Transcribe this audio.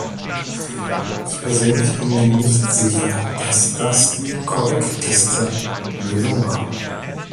Ich persönlich bin mir nicht sicher, dass das die korrekteste Lösung war.